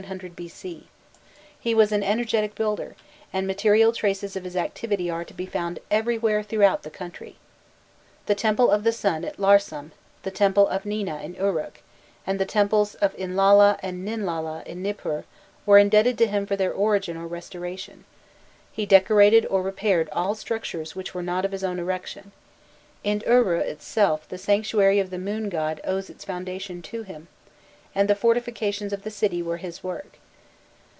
He was an energetic builder, and material traces of his activity are to be found everywhere throughout the country. The temple of the Sun at Larsam, the temple of Nina in Uruk, and the temples of Inlilla and Ninlilla in Nipur were indebted to him for their origin or restoration: he decorated or repaired all structures which were not of his own erection: in Uru itself the sanctuary of the moon god owes its foundation to him, and the fortifications of the city were his work.